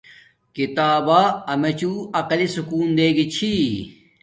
کتابا امیڎو عقلی سکون دے گی چھی